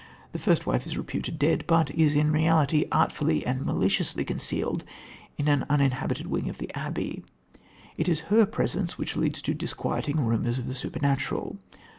The first wife is reputed dead, but is, in reality, artfully and maliciously concealed in an uninhabited wing of the abbey. It is her presence which leads to disquieting rumours of the supernatural.